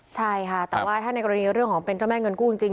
ใช่ค่ะแต่ว่าถ้าในกรณีเรื่องของเป็นเจ้าแม่เงินกู้จริง